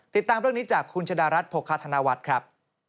ติดตามเรื่องนี้จากคุณชะดารัฐโภคาธนวัฒน์ครับ